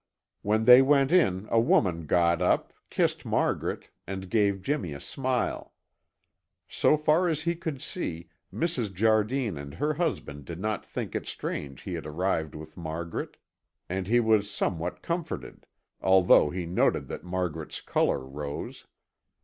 When they went in a woman got up, kissed Margaret, and gave Jimmy a smile. So far as he could see, Mrs. Jardine and her husband did not think it strange he had arrived with Margaret, and he was somewhat comforted, although he noted that Margaret's color rose.